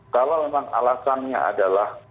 kalau memang alasannya ada